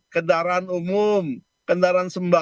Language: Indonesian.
kendaraan umum kendaraan sembako